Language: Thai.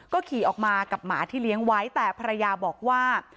ก็ขี่ออกมากับหมาที่เลี้ยงไว้แต่ภรรยาบอกว่า